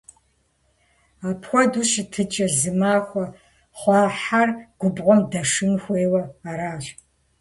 Апхуэдэ щытыкӀэр зи махуэ хъуа хьэр губгъуэм дэшын хуейуэ аращ.